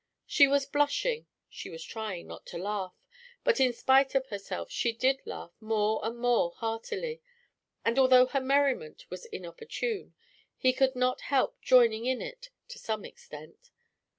She was blushing, she was trying not to laugh; but in spite of herself she did laugh more and more heartily, and although her merriment was inopportune, he could not help joining in it to some extent.